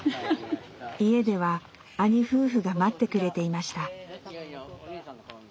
家では兄夫婦が待ってくれていました。